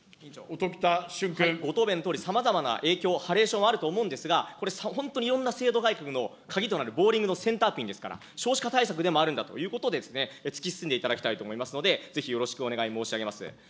ご答弁のとおり、さまざまな影響、ハレーションはあると思うんですが、これ本当にいろんな制度改革の鍵となるボウリングのセンターピンでありますから、少子化対策でもあるんだということで、突き進んでいただきたいと思いますので、ぜひよろしくお願い申し上げます。